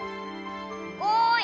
おい！